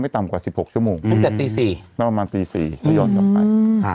ไม่ต่ำกว่าสิบหกชั่วโมงตั้งแต่ตีสี่ประมาณตีสี่ถ้ายอดจำไปฮะ